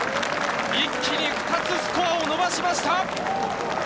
一気に２つスコアを伸ばしました。